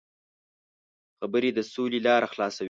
خبرې د سولې لاره خلاصوي.